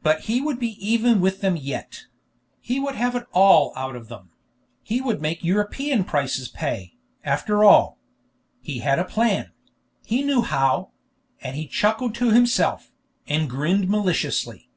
But he would be even with them yet; he would have it all out of them: he would make European prices pay, after all. He had a plan he knew how; and he chuckled to himself, and grinned maliciously.